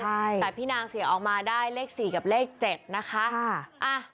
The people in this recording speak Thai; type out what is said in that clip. ใช่แต่พี่นางเสียออกมาได้เลข๔กับเลข๗นะคะ